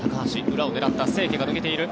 裏を狙った清家が抜けている。